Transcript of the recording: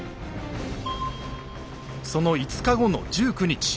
その５日後の１９日。